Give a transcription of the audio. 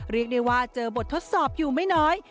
เรียกได้ว่าเจอบททดสอบอยู่ไม่น้อย